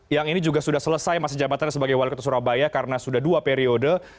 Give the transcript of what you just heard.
yang ini juga sudah selesai masa jabatannya sebagai wali kota surabaya karena sudah dua periode